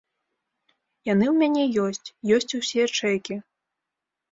Яны ў мяне ёсць, ёсць усе чэкі.